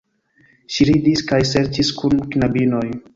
Ŝi ridis kaj ŝercis kun knabinoj.